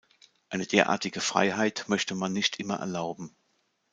Eine derartige Freiheit möchte man nicht immer erlauben.